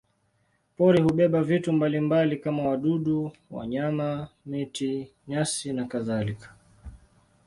Pori hubeba vitu mbalimbali kama wadudu, wanyama, miti, nyasi nakadhalika.